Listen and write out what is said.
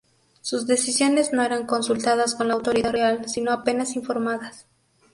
Sus decisiones no eran consultadas con la autoridad real, sino apenas informadas.